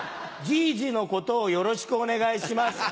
じいじのことをよろしくお願いします。